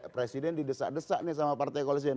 presiden didesak desak nih sama partai koalisi